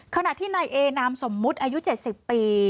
ขณะที่ในเอนามสมมุติอายุเจ็ดสิบปี